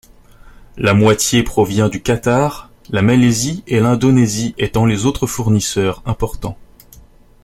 La moitié provient du Qatar, la Malaisie et l'Indonésie étant les autres fournisseurs importants.